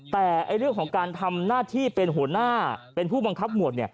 แต่เรื่องของการทำหน้าที่เป็นหัวหน้าเป็นผู้บังคับหมวด